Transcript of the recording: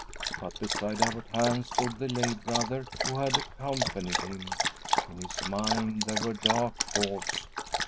But beside Abbot Hans stood the lay brother who had accompanied him. In his mind there were dark thoughts.